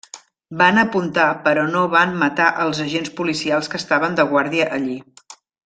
Van apuntar però no van matar als agents policials que estaven de guàrdia allí.